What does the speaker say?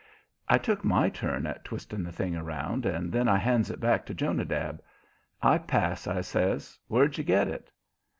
I took my turn at twisting the thing around, and then I hands it back to Jonadab. "I pass," I says. "Where'd you get it?"